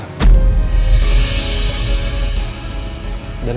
kita sama sama juga om